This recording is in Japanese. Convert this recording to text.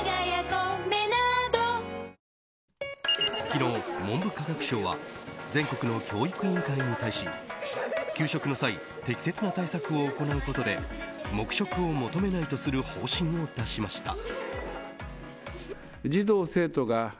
昨日、文部科学省は全国の教育委員会に対し給食の際適切な対策を行うことで黙食を求めないとする方針を出しました。